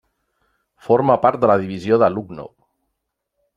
Forma part de la divisió de Lucknow.